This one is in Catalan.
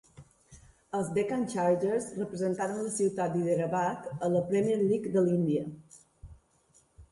Els Deccan Chargers representaren la ciutat d'Hyderabad a la Premier League de la Índia.